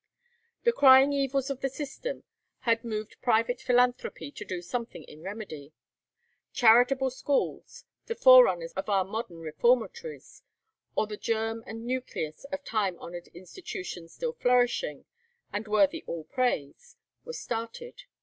The crying evils of the system had moved private philanthropy to do something in remedy. Charitable schools, the forerunners of our modern reformatories, or the germ and nucleus of time honoured institutions still flourishing, and worthy all praise, were started.